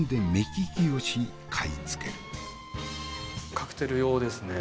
カクテル用ですね。